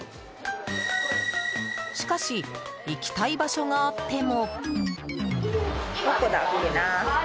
しかし行きたい場所があっても。